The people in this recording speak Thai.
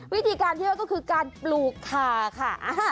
วิธีการเที่ยวก็คือการปลูกคาค่ะ